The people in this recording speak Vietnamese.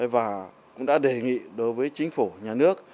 và cũng đã đề nghị đối với chính phủ nhà nước